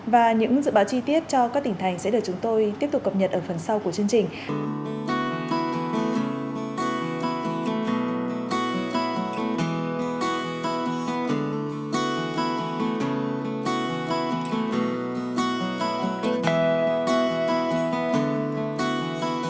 và những dự báo chi tiết cho các tỉnh thành sẽ được chúng tôi tiếp tục cập nhật ở phần sau của chương trình